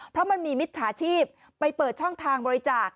เพราะมันมีมิจฉาชีพไปเปิดช่องทางบริจาค